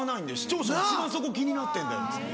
視聴者一番そこ気になってんだよ」っつって。